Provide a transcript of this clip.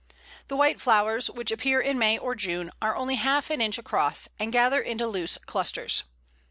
The white flowers, which appear in May or June, are only half an inch across, and gathered into loose clusters.